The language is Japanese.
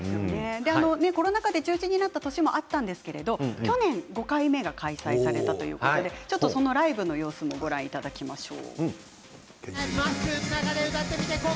コロナ禍で中止になった年もあったんですが去年５回目が開催されたということでライブの様子をご覧いただきましょう。